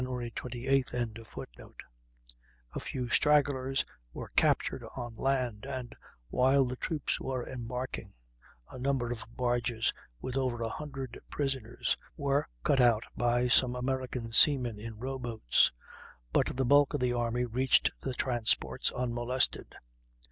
28th.] A few stragglers were captured on land, and, while the troops were embarking, a number of barges, with over a hundred prisoners, were cut out by some American seamen in row boats; but the bulk of the army reached the transports unmolested.